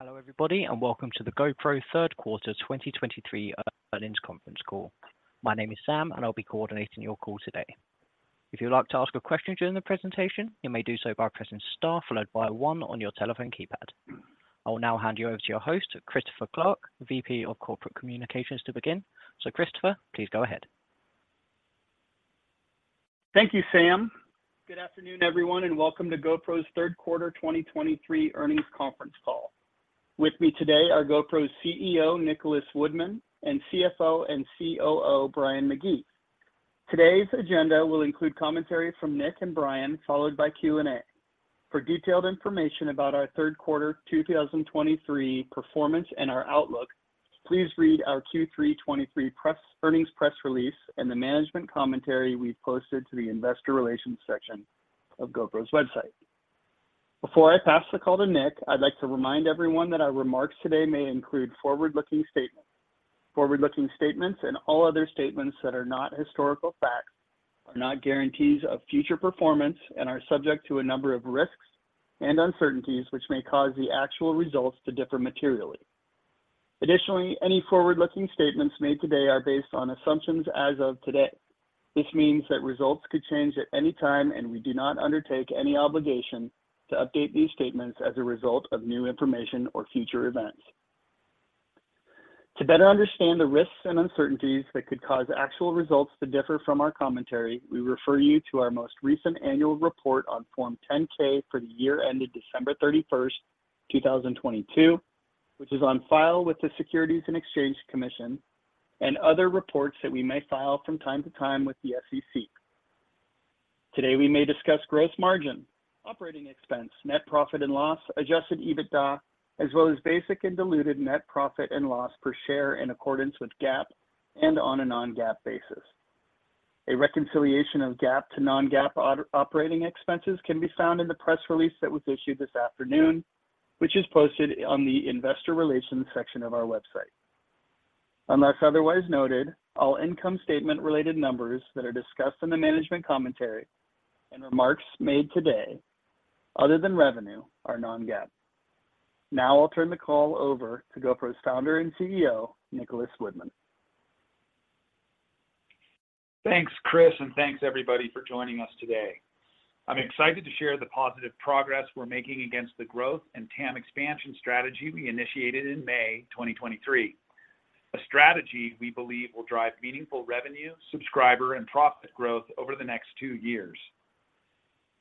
Hello Thank you, Sam. Good afternoon, everyone, and welcome to GoPro's third quarter 2023 earnings conference call. With me today are GoPro's CEO, Nicholas Woodman, and CFO and COO, Brian McGee. Today's agenda will include commentary from Nick and Brian, followed by Q&A. For detailed information about our third quarter 2023 performance and our outlook, please read our Q3 2023 press, earnings press release and the management commentary we posted to the investor relations section of GoPro's website. Before I pass the call to Nick, I'd like to remind everyone that our remarks today may include forward-looking statements. Forward-looking statements and all other statements that are not historical facts are not guarantees of future performance and are subject to a number of risks and uncertainties, which may cause the actual results to differ materially. Additionally, any forward-looking statements made today are based on assumptions as of today. This means that results could change at any time, and we do not undertake any obligation to update these statements as a result of new information or future events. To better understand the risks and uncertainties that could cause actual results to differ from our commentary, we refer you to our most recent annual report on Form 10-K for the year ended December 31, 2022, which is on file with the Securities and Exchange Commission and other reports that we may file from time to time with the SEC. Today, we may discuss gross margin, operating expense, net profit and loss, Adjusted EBITDA, as well as basic and diluted net profit and loss per share in accordance with GAAP and on a non-GAAP basis. A reconciliation of GAAP to non-GAAP operating expenses can be found in the press release that was issued this afternoon, which is posted on the investor relations section of our website. Unless otherwise noted, all income statement-related numbers that are discussed in the management commentary and remarks made today, other than revenue, are non-GAAP. Now I'll turn the call over to GoPro's founder and CEO, Nicholas Woodman. Thanks, Chris, and thanks everybody for joining us today. I'm excited to share the positive progress we're making against the growth and TAM expansion strategy we initiated in May 2023, a strategy we believe will drive meaningful revenue, subscriber, and profit growth over the next 2 years.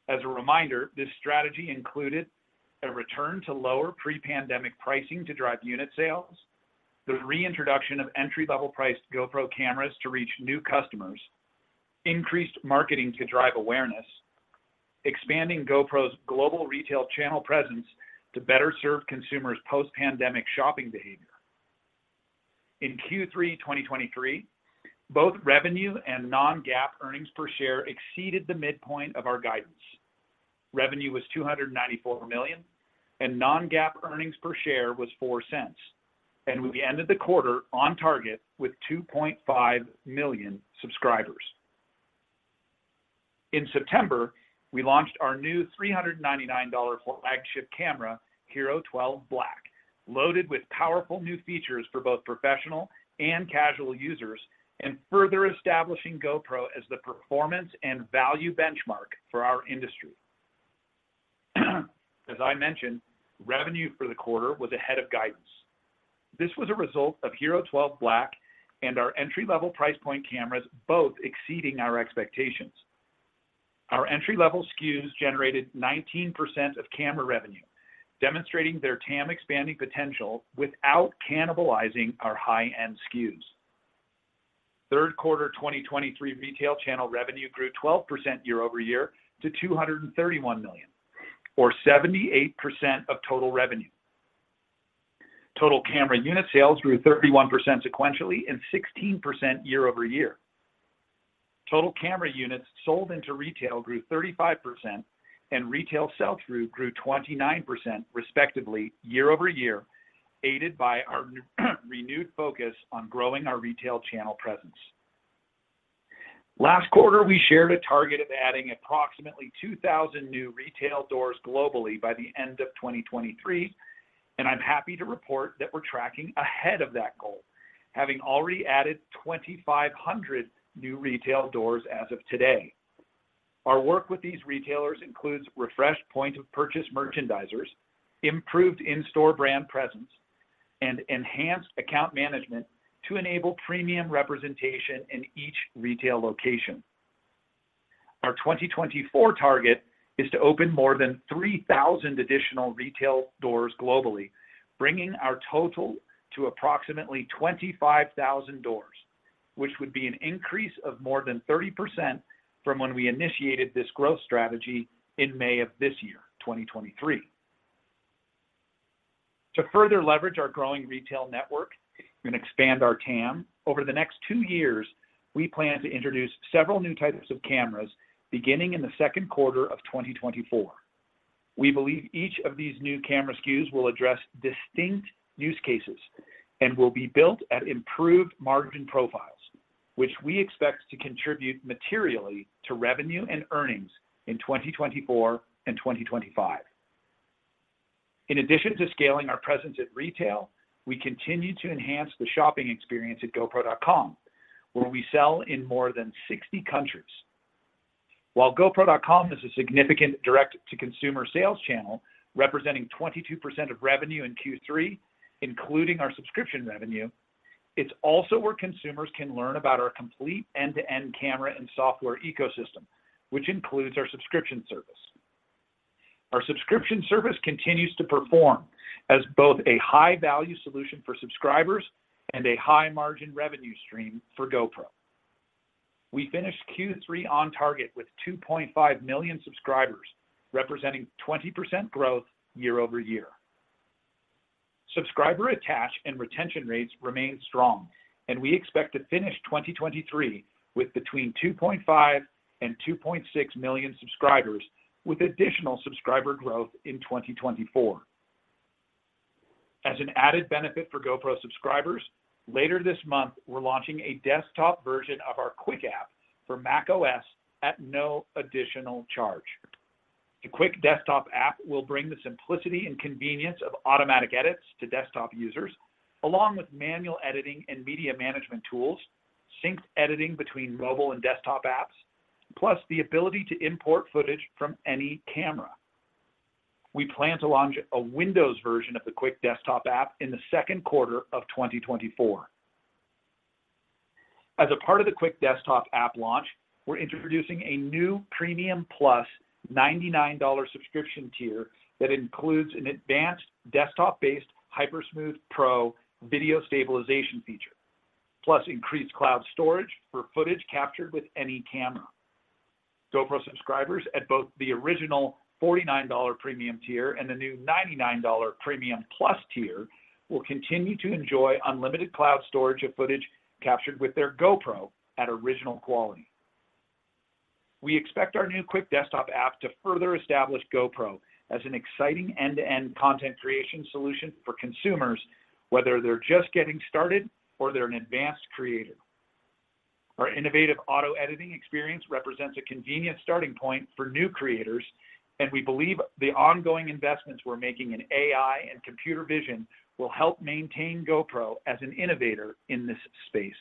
As a reminder, this strategy included a return to lower pre-pandemic pricing to drive unit sales, the reintroduction of entry-level priced GoPro cameras to reach new customers, increased marketing to drive awareness, expanding GoPro's global retail channel presence to better serve consumers' post-pandemic shopping behavior. In Q3 2023, both revenue and non-GAAP earnings per share exceeded the midpoint of our guidance. Revenue was $294 million, and non-GAAP earnings per share was $0.04, and we ended the quarter on target with 2.5 million subscribers. In September, we launched our new $399 flagship camera, HERO12 Black, loaded with powerful new features for both professional and casual users, and further establishing GoPro as the performance and value benchmark for our industry. As I mentioned, revenue for the quarter was ahead of guidance. This was a result of HERO12 Black and our entry-level price point cameras, both exceeding our expectations. Our entry-level SKUs generated 19% of camera revenue, demonstrating their TAM expanding potential without cannibalizing our high-end SKUs. Third quarter 2023 retail channel revenue grew 12% year-over-year to $231 million or 78% of total revenue. Total camera unit sales grew 31% sequentially and 16% year-over-year. Total camera units sold into retail grew 35%, and retail sell-through grew 29% respectively year-over-year, aided by our renewed focus on growing our retail channel presence. Last quarter, we shared a target of adding approximately 2,000 new retail doors globally by the end of 2023, and I'm happy to report that we're tracking ahead of that goal, having already added 2,500 new retail doors as of today. Our work with these retailers includes refreshed point of purchase merchandisers, improved in-store brand presence, and enhanced account management to enable premium representation in each retail location. Our 2024 target is to open more than 3,000 additional retail doors globally, bringing our total to approximately 25,000 doors, which would be an increase of more than 30% from when we initiated this growth strategy in May of this year, 2023. To further leverage our growing retail network and expand our TAM, over the next two years, we plan to introduce several new types of cameras, beginning in the second quarter of 2024. We believe each of these new camera SKUs will address distinct use cases and will be built at improved margin profiles, which we expect to contribute materially to revenue and earnings in 2024 and 2025. In addition to scaling our presence at retail, we continue to enhance the shopping experience at GoPro.com, where we sell in more than 60 countries. While GoPro.com is a significant direct-to-consumer sales channel, representing 22% of revenue in Q3, including our subscription revenue, it's also where consumers can learn about our complete end-to-end camera and software ecosystem, which includes our subscription service. Our subscription service continues to perform as both a high-value solution for subscribers and a high-margin revenue stream for GoPro. We finished Q3 on target with 2.5 million subscribers, representing 20% growth year-over-year. Subscriber attach and retention rates remain strong, and we expect to finish 2023 with between 2.5 and 2.6 million subscribers, with additional subscriber growth in 2024. As an added benefit for GoPro subscribers, later this month, we're launching a desktop version of our Quik app for macOS at no additional charge. The Quik desktop app will bring the simplicity and convenience of automatic edits to desktop users, along with manual editing and media management tools, synced editing between mobile and desktop apps, plus the ability to import footage from any camera. We plan to launch a Windows version of the Quik desktop app in the second quarter of 2024. As a part of the Quik desktop app launch, we're introducing a new Premium Plus $99 subscription tier that includes an advanced desktop-based HyperSmooth Pro video stabilization feature, plus increased cloud storage for footage captured with any camera. GoPro subscribers at both the original $49 Premium tier and the new $99 Premium Plus tier will continue to enjoy unlimited cloud storage of footage captured with their GoPro at original quality. We expect our new Quik desktop app to further establish GoPro as an exciting end-to-end content creation solution for consumers, whether they're just getting started or they're an advanced creator. Our innovative auto-editing experience represents a convenient starting point for new creators, and we believe the ongoing investments we're making in AI and computer vision will help maintain GoPro as an innovator in this space.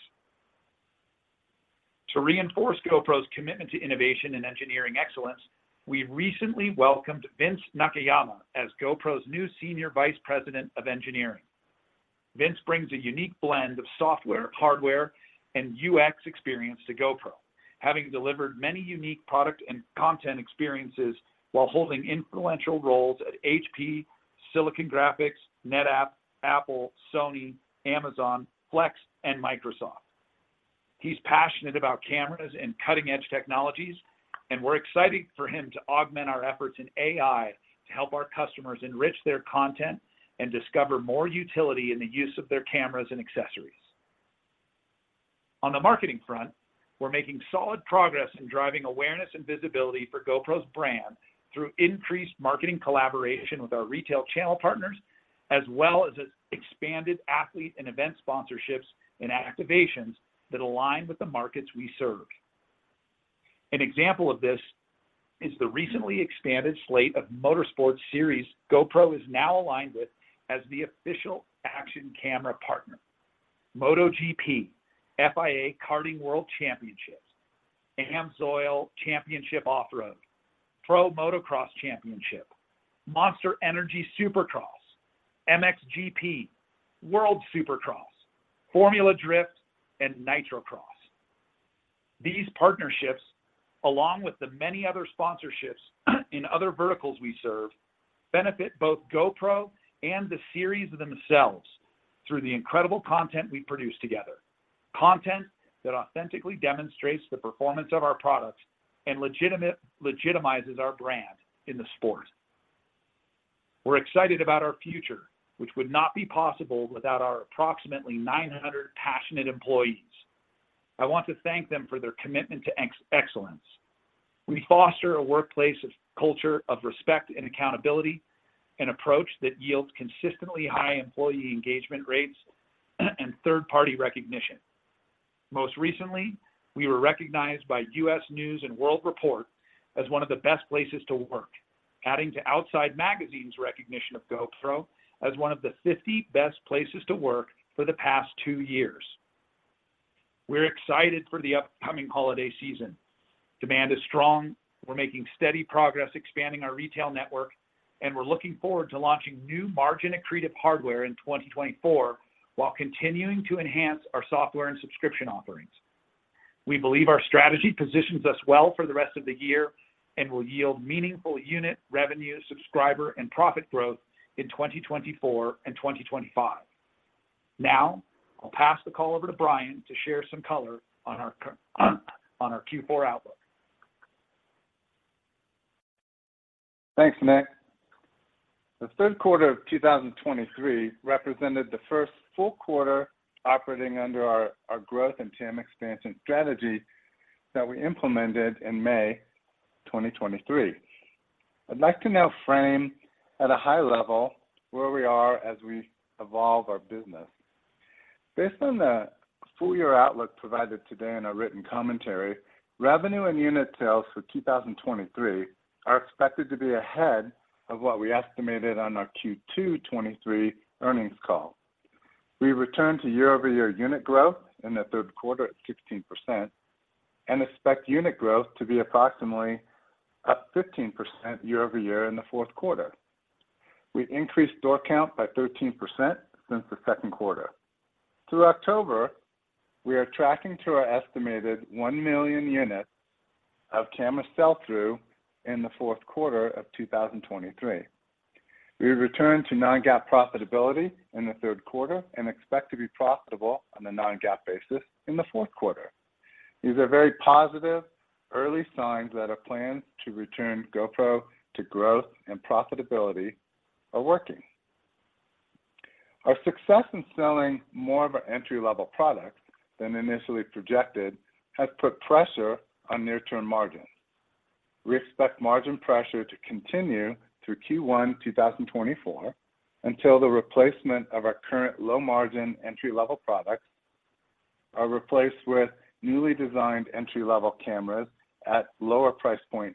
To reinforce GoPro's commitment to innovation and engineering excellence, we recently welcomed Vince Nakayama as GoPro's new Senior Vice President of Engineering. Vince brings a unique blend of software, hardware, and UX experience to GoPro, having delivered many unique product and content experiences while holding influential roles at HP, Silicon Graphics, NetApp, Apple, Sony, Amazon, Flex, and Microsoft. He's passionate about cameras and cutting-edge technologies, and we're excited for him to augment our efforts in AI to help our customers enrich their content and discover more utility in the use of their cameras and accessories. On the marketing front, we're making solid progress in driving awareness and visibility for GoPro's brand through increased marketing collaboration with our retail channel partners, as well as its expanded athlete and event sponsorships and activations that align with the markets we serve. An example of this is the recently expanded slate of motorsports series GoPro is now aligned with as the official action camera partner: MotoGP, FIA Karting World Championships, AMSOIL Championship Off-Road, Pro Motocross Championship, Monster Energy Supercross, MXGP, World Supercross, Formula Drift, and Nitrocross These partnerships, along with the many other sponsorships in other verticals we serve, benefit both GoPro and the series themselves through the incredible content we produce together, content that authentically demonstrates the performance of our products and legitimizes our brand in the sport. We're excited about our future, which would not be possible without our approximately 900 passionate employees. I want to thank them for their commitment to excellence. We foster a workplace of culture, of respect, and accountability, an approach that yields consistently high employee engagement rates and third-party recognition. Most recently, we were recognized by U.S. News & World Report as one of the best places to work, adding to Outside Magazine's recognition of GoPro as one of the 50 Best Places to Work for the past 2 years. We're excited for the upcoming holiday season. Demand is strong, we're making steady progress expanding our retail network, and we're looking forward to launching new margin-accretive hardware in 2024, while continuing to enhance our software and subscription offerings. We believe our strategy positions us well for the rest of the year and will yield meaningful unit revenue, subscriber, and profit growth in 2024 and 2025. Now, I'll pass the call over to Brian to share some color on our Q4 outlook. Thanks, Nick. The third quarter of 2023 represented the first full quarter operating under our growth and channel expansion strategy that we implemented in May 2023. I'd like to now frame at a high level where we are as we evolve our business. Based on the full year outlook provided today in our written commentary, revenue and unit sales for 2023 are expected to be ahead of what we estimated on our Q2 2023 earnings call. We returned to year-over-year unit growth in the third quarter at 16%, and expect unit growth to be approximately up 15% year over year in the fourth quarter. We increased store count by 13% since the second quarter. Through October, we are tracking to our estimated 1 million units of camera sell-through in the fourth quarter of 2023. We returned to Non-GAAP profitability in the third quarter and expect to be profitable on a Non-GAAP basis in the fourth quarter. These are very positive early signs that our plans to return GoPro to growth and profitability are working. Our success in selling more of our entry-level products than initially projected has put pressure on near-term margins. We expect margin pressure to continue through Q1 2024, until the replacement of our current low-margin entry-level products are replaced with newly designed entry-level cameras at lower price point,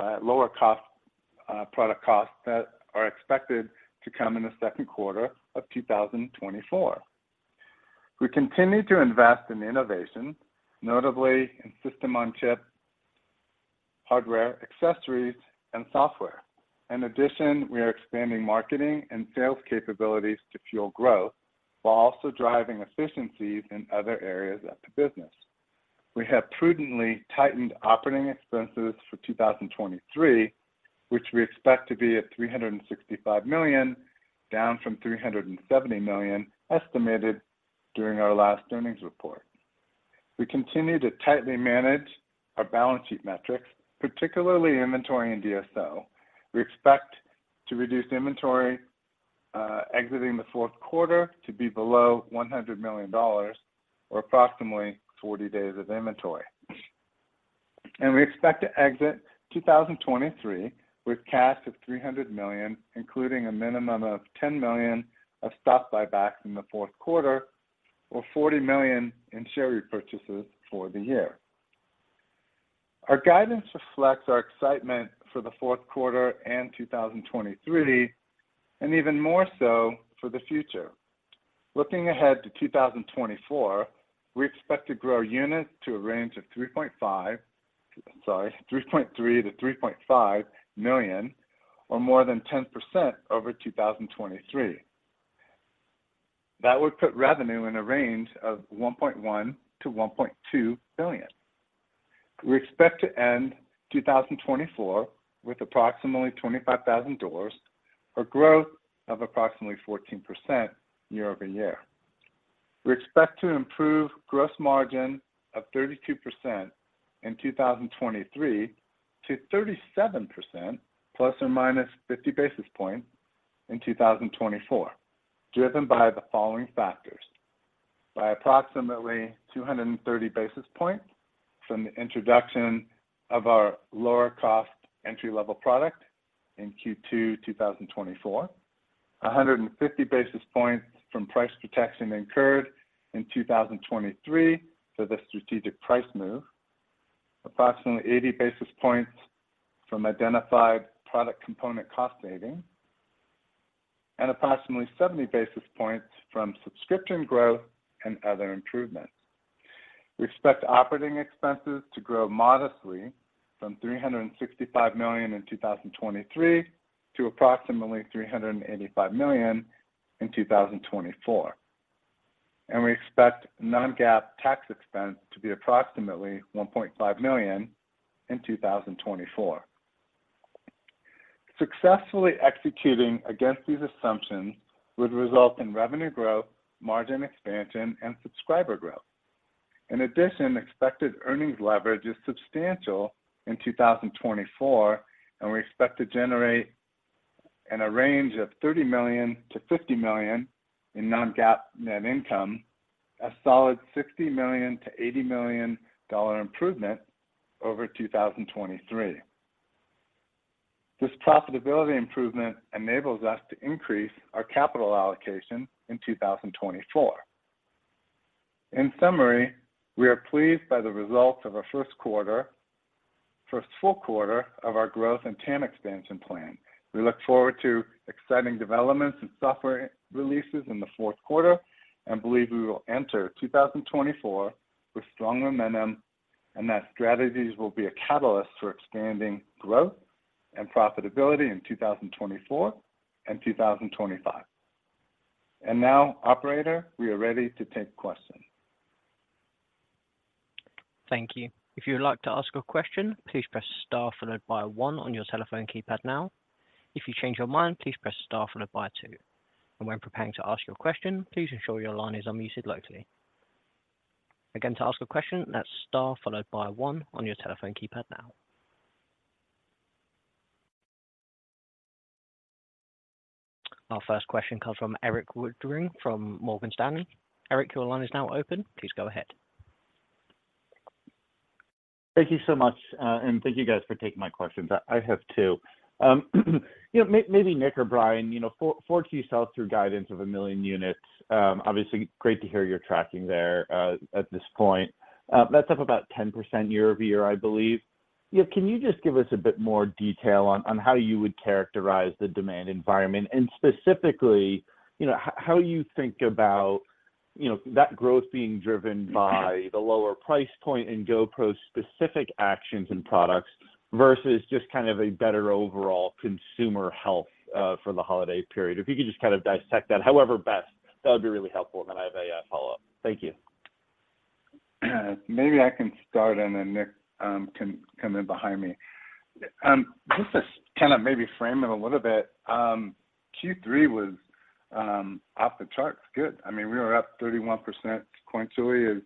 at lower cost product costs that are expected to come in the second quarter of 2024. We continue to invest in innovation, notably in system-on-chip, hardware, accessories, and software. In addition, we are expanding marketing and sales capabilities to fuel growth, while also driving efficiencies in other areas of the business. We have prudently tightened operating expenses for 2023, which we expect to be at $365 million, down from $370 million estimated during our last earnings report. We continue to tightly manage our balance sheet metrics, particularly inventory and DSO. We expect to reduce inventory, exiting the fourth quarter to be below $100 million or approximately 40 days of inventory. And we expect to exit 2023 with cash of $300 million, including a minimum of $10 million of stock buybacks in the fourth quarter, or $40 million in share repurchases for the year. Our guidance reflects our excitement for the fourth quarter and 2023, and even more so for the future. Looking ahead to 2024, we expect to grow units to a range of 3.5... Sorry, 3.3-3.5 million, or more than 10% over 2023. That would put revenue in a range of $1.1-$1.2 billion. We expect to end 2024 with approximately 25,000, a growth of approximately 14% year-over-year. We expect to improve gross margin of 32% in 2023, to 37%, ±50 basis points in 2024, driven by the following factors: by approximately 230 basis points from the introduction of our lower-cost entry-level product in Q2 2024, 150 basis points from price protection incurred in 2023 for the strategic price move, approximately 80 basis points from identified product component cost savings, and approximately 70 basis points from subscription growth and other improvements. We expect operating expenses to grow modestly from $365 million in 2023 to approximately $385 million in 2024, and we expect non-GAAP tax expense to be approximately $1.5 million in 2024. Successfully executing against these assumptions would result in revenue growth, margin expansion, and subscriber growth. In addition, expected earnings leverage is substantial in 2024, and we expect to generate in a range of $30 million-$50 million in non-GAAP net income, a solid $60 million-$80 million dollar improvement over 2023. This profitability improvement enables us to increase our capital allocation in 2024. In summary, we are pleased by the results of our first quarter, first full quarter of our growth and TAM expansion plan. We look forward to exciting developments and software releases in the fourth quarter, and believe we will enter 2024 with strong momentum, and that strategies will be a catalyst for expanding growth and profitability in 2024 and 2025. And now, operator, we are ready to take questions. Thank you. If you would like to ask a question, please press Star followed by one on your telephone keypad now. If you change your mind, please press Star followed by two, and when preparing to ask your question, please ensure your line is unmuted locally. Again, to ask a question, that's Star followed by one on your telephone keypad now.... Our first question comes from Erik Woodring from Morgan Stanley. Erik, your line is now open. Please go ahead. Thank you so much, and thank you guys for taking my questions. I have two. You know, maybe Nick or Brian, you know, for Q sell-through guidance of 1 million units, obviously great to hear you're tracking there at this point. That's up about 10% year-over-year, I believe. Yeah, can you just give us a bit more detail on how you would characterize the demand environment, and specifically, you know, how you think about, you know, that growth being driven by the lower price point in GoPro specific actions and products versus just kind of a better overall consumer health for the holiday period? If you could just kind of dissect that however best, that would be really helpful, and then I have a follow-up. Thank you. Maybe I can start, and then Nick can come in behind me. Just to kind of maybe frame it a little bit, Q3 was off the charts good. I mean, we were up 31% sequentially, as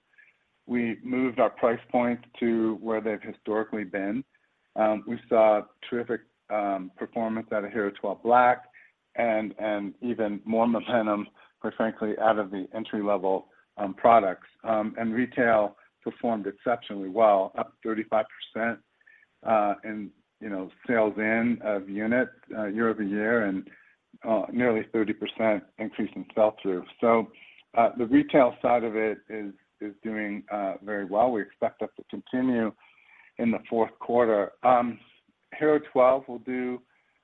we moved our price point to where they've historically been. We saw terrific performance out of HERO12 Black and even more momentum for, frankly, out of the entry-level products. Retail performed exceptionally well, up 35% in, you know, sell-in of units year-over-year and nearly 30% increase in sell-through. So, the retail side of it is doing very well. We expect that to continue in the fourth quarter. HERO12 will do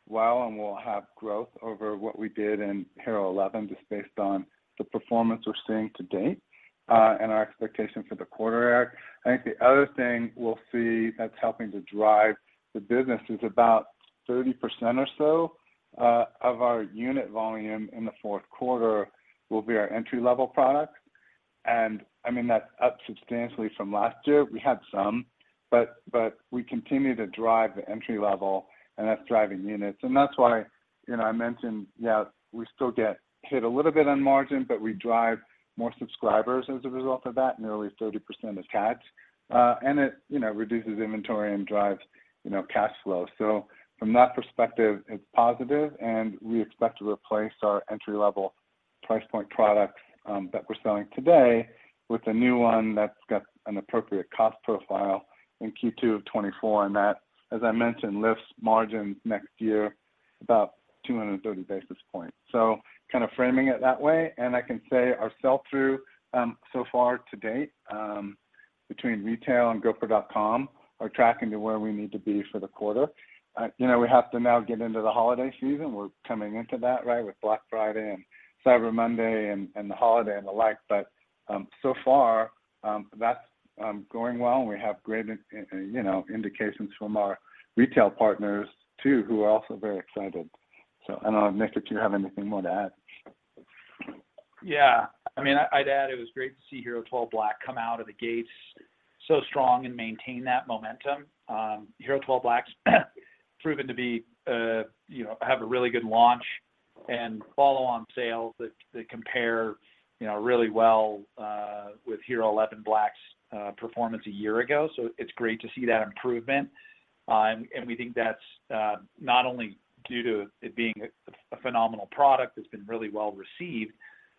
well, and we'll have growth over what we did in HERO11, just based on the performance we're seeing to date, and our expectation for the quarter, Erik. I think the other thing we'll see that's helping to drive the business is about 30% or so of our unit volume in the fourth quarter will be our entry-level product, and, I mean, that's up substantially from last year. We had some, but we continue to drive the entry level, and that's driving units. And that's why, you know, I mentioned, yeah, we still get hit a little bit on margin, but we drive more subscribers as a result of that, nearly 30% as adds. And it, you know, reduces inventory and drives, you know, cash flow. So from that perspective, it's positive, and we expect to replace our entry-level price point products that we're selling today with a new one that's got an appropriate cost profile in Q2 of 2024, and that, as I mentioned, lifts margins next year about 230 basis points. So kind of framing it that way, and I can say our sell-through so far to date between retail and gopro.com are tracking to where we need to be for the quarter. You know, we have to now get into the holiday season. We're coming into that, right, with Black Friday and Cyber Monday and the holiday and the like, but so far that's going well, and we have great indications from our retail partners too, who are also very excited. I don't know, Nick, if you have anything more to add? Yeah. I mean, I'd add it was great to see HERO12 Black come out of the gates so strong and maintain that momentum. HERO12 Black's proven to be, you know, have a really good launch and follow-on sales that compare, you know, really well with HERO11 Black's performance a year ago. So it's great to see that improvement. And we think that's not only due to it being a phenomenal product that's been really well received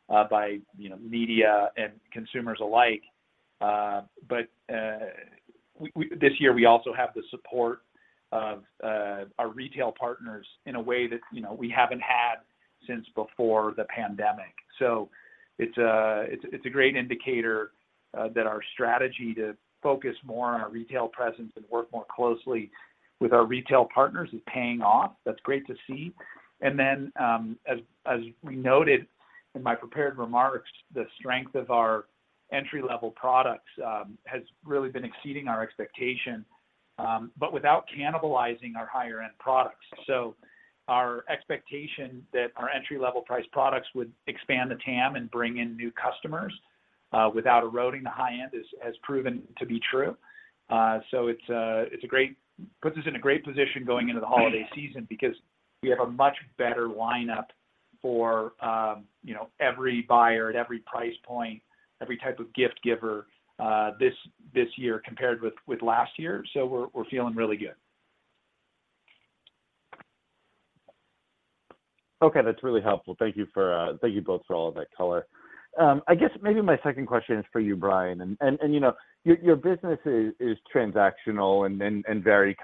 by, you know, media and consumers alike, but this year, we also have the support of our retail partners in a way that, you know, we haven't had since before the pandemic. So it's a great indicator that our strategy to focus more on our retail presence and work more closely with our retail partners is paying off. That's great to see. And then, as we noted in my prepared remarks, the strength of our entry-level products has really been exceeding our expectation, but without cannibalizing our higher-end products. So our expectation that our entry-level price products would expand the TAM and bring in new customers without eroding the high-end has proven to be true. So it puts us in a great position going into the holiday season because we have a much better lineup for, you know, every buyer at every price point, every type of gift giver, this year compared with last year. So we're feeling really good. Okay, that's really helpful. Thank you both for all of that color. I guess maybe my second question is for you, Brian, and you know, your business is transactional and very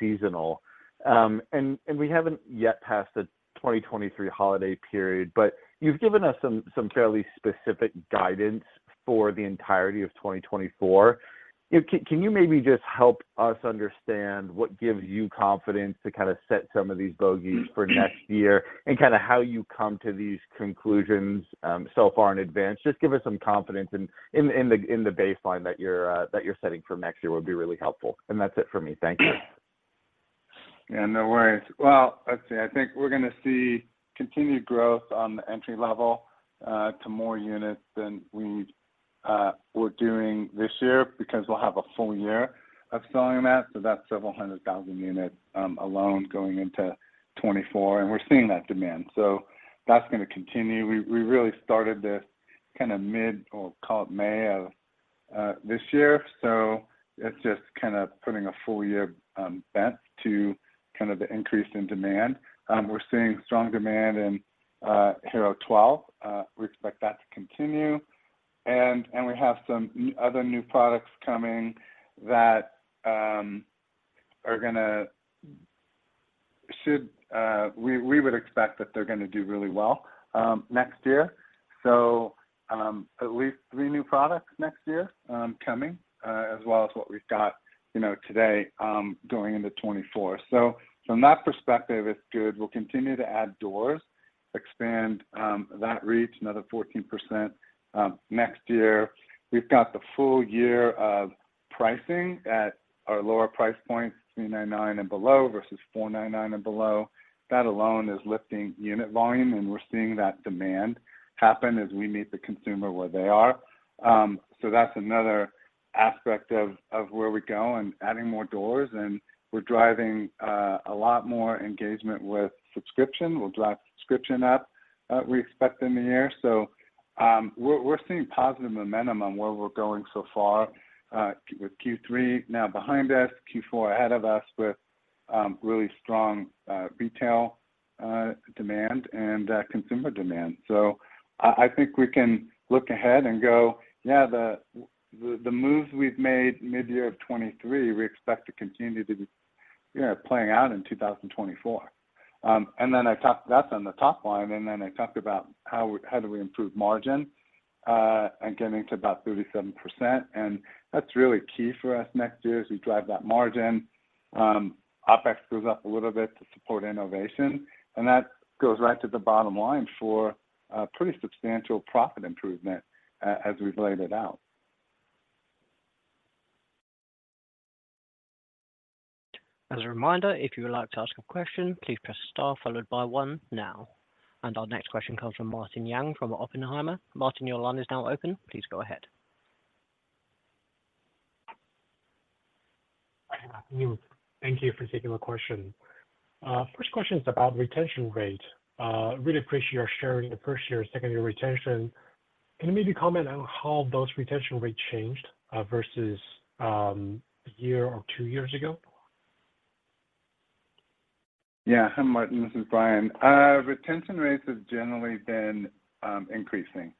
seasonal. We haven't yet passed the 2023 holiday period, but you've given us some fairly specific guidance for the entirety of 2024. You know, can you maybe just help us understand what gives you confidence to kind of set some of these bogeys for next year and kind of how you come to these conclusions so far in advance? Just give us some confidence in the baseline that you're setting for next year would be really helpful, and that's it for me. Thank you. Yeah, no worries. Well, let's see. I think we're gonna see continued growth on the entry level to more units than we're doing this year because we'll have a full year of selling that, so that's several 100,000 units alone going into 2024, and we're seeing that demand. So that's gonna continue. We really started this kind of mid or call it May of this year, so it's just kind of putting a full year bent to kind of the increase in demand. We're seeing strong demand in HERO12. We expect that to continue, and we have some other new products coming that we would expect that they're gonna do really well next year. So, at least three new products next year, coming, as well as what we've got, you know, today, going into 2024. So from that perspective, it's good. We'll continue to add doors, expand, that reach another 14%, next year. We've got the full year of pricing at our lower price points, $399 and below versus $499 and below. That alone is lifting unit volume, and we're seeing that demand happen as we meet the consumer where they are. So that's another aspect of where we go and adding more doors, and we're driving a lot more engagement with subscription. We'll drive subscription up, we expect in the year. So, we're seeing positive momentum on where we're going so far, with Q3 now behind us, Q4 ahead of us, with really strong retail demand and consumer demand. So I think we can look ahead and go, "Yeah, the moves we've made mid-year of 2023, we expect to continue to be, yeah, playing out in 2024." And then I talked; that's on the top line, and then I talked about how, how do we improve margin, and getting to about 37%, and that's really key for us next year as we drive that margin. OpEx goes up a little bit to support innovation, and that goes right to the bottom line for a pretty substantial profit improvement as we've laid it out. As a reminder, if you would like to ask a question, please press star followed by one now. Our next question comes from Martin Yang from Oppenheimer. Martin, your line is now open. Please go ahead. Hi, thank you for taking the question. First question is about retention rate. Really appreciate your sharing the first year, second year retention. Can you maybe comment on how those retention rates changed, versus, a year or two years ago? Yeah, hi, Martin, this is Brian. Retention rates have generally been increasing,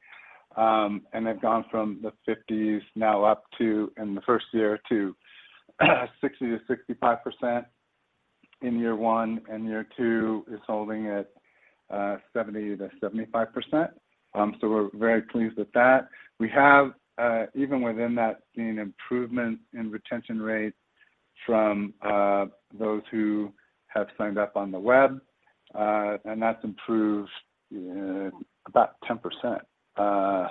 and they've gone from the 50s now up to, in the first year, to 60%-65% in year one, and year two is holding at 70%-75%. So we're very pleased with that. We have even within that seen improvement in retention rates from those who have signed up on the web, and that's improved about 10%, 5%.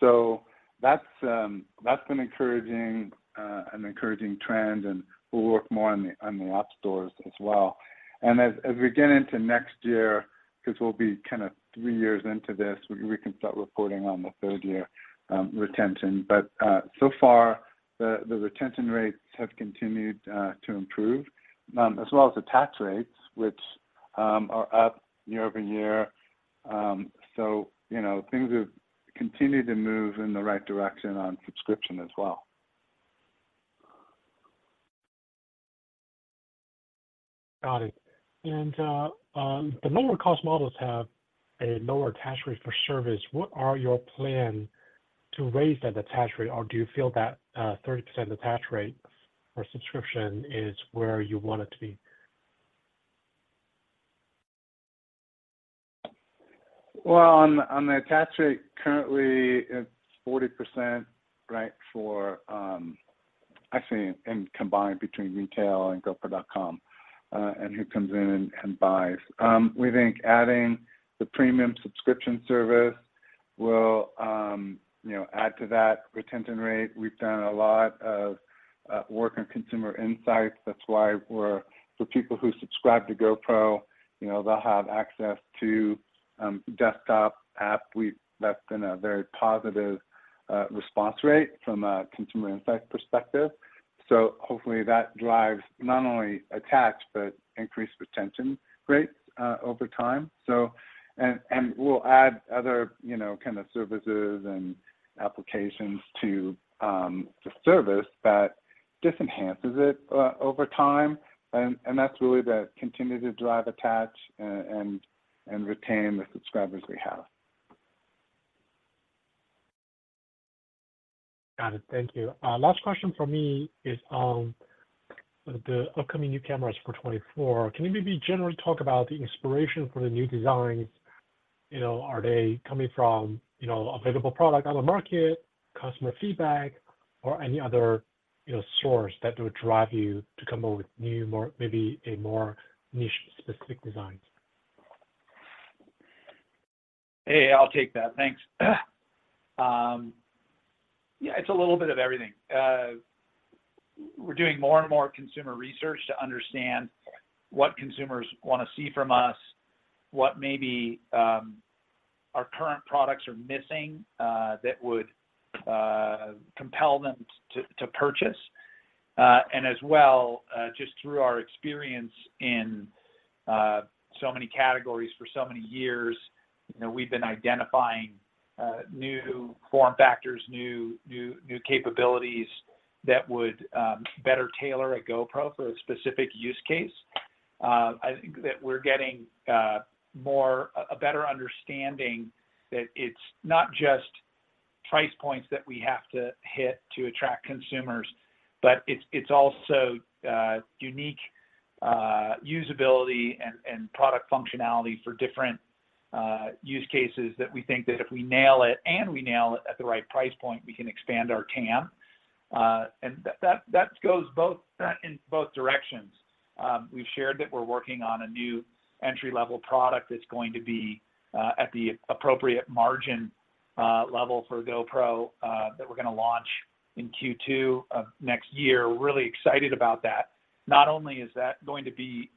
So that's been encouraging, an encouraging trend, and we'll work more on the app stores as well. And as we get into next year, because we'll be kind of 3 years into this, we can start reporting on the third year retention. So far, the retention rates have continued to improve, as well as attach rates, which are up year-over-year. So, you know, things have continued to move in the right direction on subscription as well. Got it. The lower-cost models have a lower attach rate for service. What are your plan to raise that attach rate, or do you feel that 30% attach rate for subscription is where you want it to be? Well, on the attach rate, currently it's 40%, right, for, actually, in combined between retail and GoPro.com, and who comes in and buys. We think adding the premium subscription service will, you know, add to that retention rate. We've done a lot of work on consumer insights. That's why we're... For people who subscribe to GoPro, you know, they'll have access to desktop app. That's been a very positive response rate from a consumer insight perspective. So hopefully, that drives not only attach, but increased retention rates over time. So we'll add other, you know, kind of services and applications to the service that just enhances it over time. And that's really to continue to drive attach and retain the subscribers we have. Got it. Thank you. Last question from me is on the upcoming new cameras for 2024. Can you maybe generally talk about the inspiration for the new designs? You know, are they coming from, you know, available product on the market, customer feedback, or any other, you know, source that would drive you to come up with new, more, maybe a more niche-specific designs? Hey, I'll take that. Thanks. Yeah, it's a little bit of everything. We're doing more and more consumer research to understand what consumers wanna see from us, what maybe our current products are missing that would compel them to purchase. And as well, just through our experience in so many categories for so many years, you know, we've been identifying new form factors, new capabilities that would better tailor a GoPro for a specific use case. I think that we're getting a better understanding that it's not just price points that we have to hit to attract consumers, but it's also unique usability and product functionality for different use cases that we think that if we nail it and we nail it at the right price point, we can expand our TAM. And that goes both in both directions. We've shared that we're working on a new entry-level product that's going to be at the appropriate margin level for GoPro that we're gonna launch in Q2 of next year. We're really excited about that. Not only is that going to be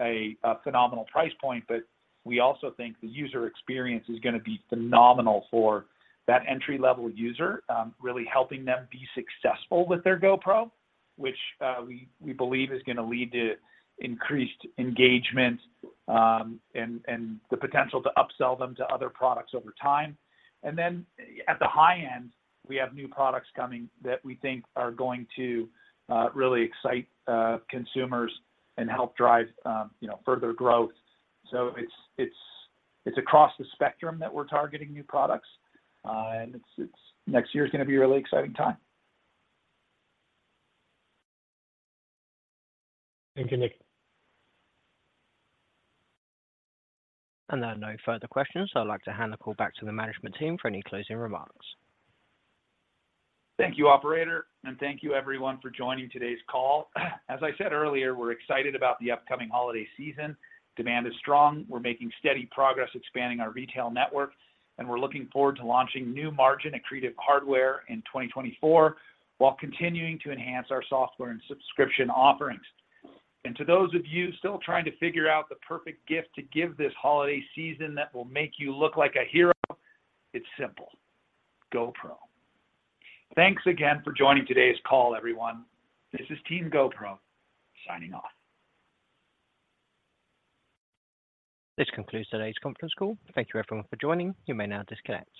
a phenomenal price point, but we also think the user experience is gonna be phenomenal for that entry-level user, really helping them be successful with their GoPro, which we believe is gonna lead to increased engagement, and the potential to upsell them to other products over time. And then at the high end, we have new products coming that we think are going to really excite consumers and help drive, you know, further growth. So it's across the spectrum that we're targeting new products, and it's... Next year is gonna be a really exciting time. Thank you, Nick. There are no further questions, so I'd like to hand the call back to the management team for any closing remarks. Thank you, operator, and thank you everyone for joining today's call. As I said earlier, we're excited about the upcoming holiday season. Demand is strong, we're making steady progress expanding our retail network, and we're looking forward to launching new margin accretive hardware in 2024, while continuing to enhance our software and subscription offerings. To those of you still trying to figure out the perfect gift to give this holiday season that will make you look like a hero, it's simple: GoPro. Thanks again for joining today's call, everyone. This is Team GoPro signing off. This concludes today's conference call. Thank you everyone for joining. You may now disconnect.